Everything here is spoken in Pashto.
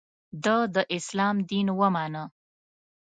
د ه داسلام دین ومانه.